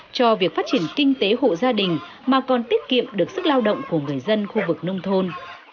cho việc phát triển kinh tế hộ gia đình mà còn tiết kiệm được sức lao động của người dân khu vực nông thôn